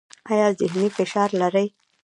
ایا ذهني فشار لرئ؟